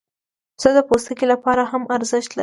پسه د پوستکي لپاره هم ارزښت لري.